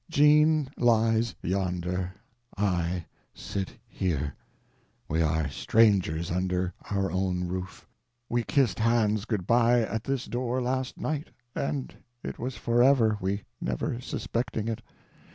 Jean lies yonder, I sit here; we are strangers under our own roof; we kissed hands good by at this door last night—and it was forever, we never suspecting it.